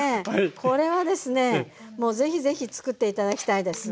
これはですねもう是非是非つくって頂きたいです。